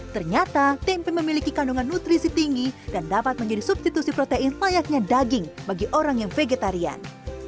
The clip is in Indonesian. ternyata tempe memiliki kandungan nutrisi tinggi dan dapat menjadi substitusi protein layaknya daging bagi orang yang vegetarian